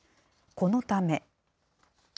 このため。